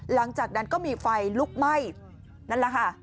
หลังจากนั้นก็มีไฟลุกไหม้นั่นแหละค่ะ